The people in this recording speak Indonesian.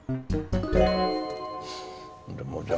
udah mau jam sebelas